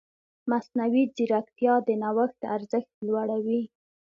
مصنوعي ځیرکتیا د نوښت ارزښت لوړوي.